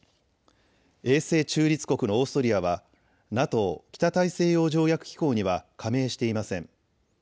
永世中立国のオーストリアはＮＡＴＯ・北大西洋条約機構には加盟していません。